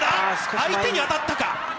相手に当たったか。